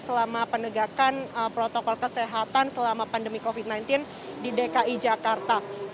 selama penegakan protokol kesehatan selama pandemi covid sembilan belas di dki jakarta